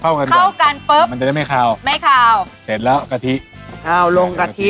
เข้ากันปุ๊บมันจะได้ไม่คาวไม่คาวเสร็จแล้วกะทิเอาลงกะทิ